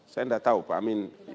saya tidak tahu pak amin